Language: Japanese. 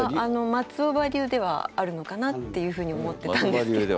松尾葉流ではあるのかなっていうふうに思ってたんですけど。